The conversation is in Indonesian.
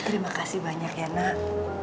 terima kasih banyak ya nak